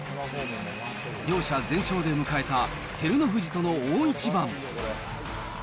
両者全勝で迎えた照ノ富士との大一番。